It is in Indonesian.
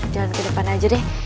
jalan ke depan aja deh